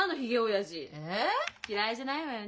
嫌いじゃないわよねえ。